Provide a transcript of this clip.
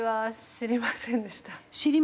知りませんでした？